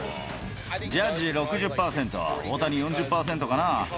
ジャッジ６０％、大谷４０％かな。